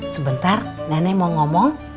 sebentar nenek mau ngomong